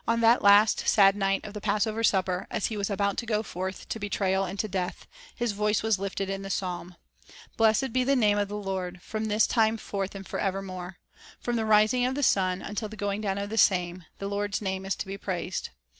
On that last sad night of the Passover supper, as song lie was about to go forth to betrayal and to death, His voice was lifted in the psalm: —" Blessed be the name of the Lord From this time forth and forevermore. From the rising of the sun until the going down of the same The Lord's name is to be praised."